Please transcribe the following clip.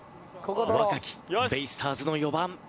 若きベイスターズの４番。